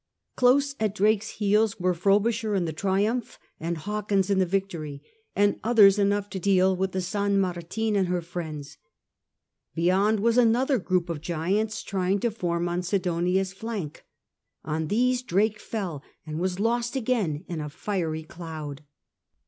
Close at Drake's heels were Frobisher in the Triumph and Hawkins in the Vidory, and others, enough to deal with the San Martin and her friends ; beyond was another group of giants trying to form on Sidonia's flank; on these Drake fell, and was lost again in a fiery cloud.